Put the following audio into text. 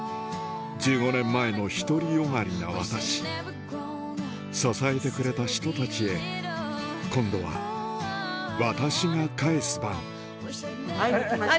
１５年前の独り善がりな私支えてくれた人たちへ今度は私が返す番会いに来ました。